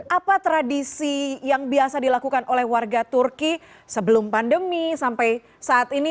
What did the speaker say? apa tradisi yang biasa dilakukan oleh warga turki sebelum pandemi sampai saat ini